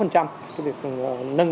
cái việc nâng